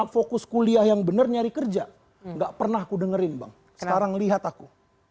fokus kuliah yang bener nyari kerja nggak pernah aku dengerin bang sekarang lihat aku